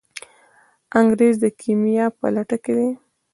انګریز د کیمیا په لټه کې دی.